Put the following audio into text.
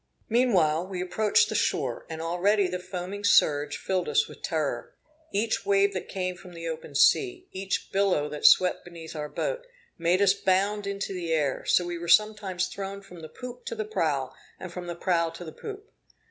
Meanwhile we approached the shore, and already the foaming surge filled us with terror. Each wave that came from the open sea, each billow that swept beneath our boat, made us bound into the air; so we were sometimes thrown from the poop to the prow, and from the prow to the poop.